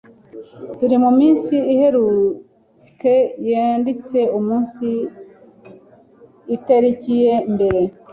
turi mu munsi iheruke yenditse umunsi iteriki ye mbere.